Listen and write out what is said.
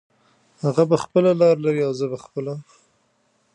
هغه به خپله لار لري او زه به خپله لاره